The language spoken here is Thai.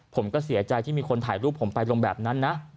ผมก็เสียใจที่มีคนถ่ายรูปผมไปลงแบบนั้นนะ